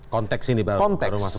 konteks ini baru masuk